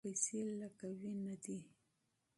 پیسې لکه وینه دي.